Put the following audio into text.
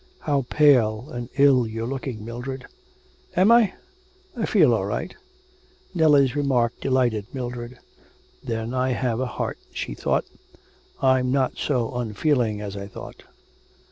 'How pale and ill you're looking, Mildred.' 'Am I? I feel all right.' Nellie's remark delighted Mildred, 'Then I have a heart,' she thought, 'I'm not so unfeeling as I thought.'